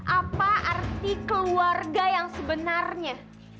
apa arti keluarga yang sebenarnya